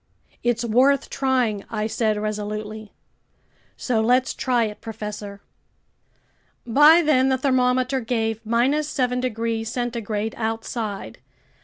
"It's worth trying!" I said resolutely. "So let's try it, professor." By then the thermometer gave 7 degrees centigrade outside.